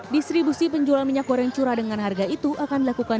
distribusi penjual minyak goreng curah dengan harga itu akan dilakukan